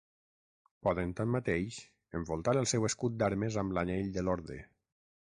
Poden, tanmateix, envoltar el seu escut d'armes amb l'anell de l'orde.